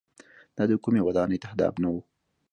دا د کومۍ ودانۍ تهداب نه و.